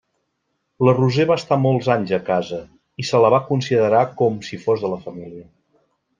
La Roser va estar molts anys a casa, i se la va considerar com si fos de la família.